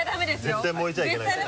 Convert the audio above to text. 絶対燃えちゃいけないですよね。